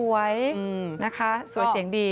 สวยนะคะสวยเสียงดี